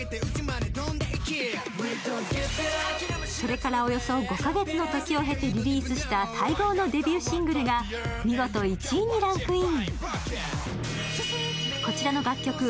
それからおよそ５カ月の時を経てリリースした待望のデビューシングルが見事１位にランクイン。